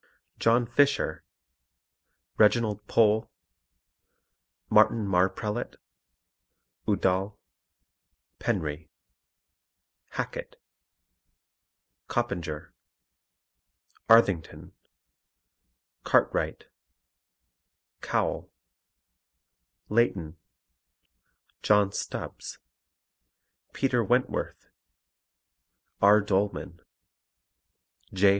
John Fisher Reginald Pole "Martin Marprelate" Udal Penry Hacket Coppinger Arthington Cartwright Cowell Leighton John Stubbs Peter Wentworth R. Doleman J.